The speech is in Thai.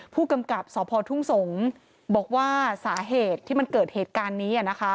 ผู้กำกับสพทุ่งสงศ์บอกว่าสาเหตุที่มันเกิดเหตุการณ์นี้